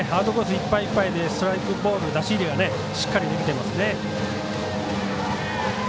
いっぱいいっぱいでストライクボール、出し入れがしっかりできていますね。